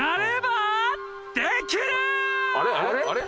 あれ？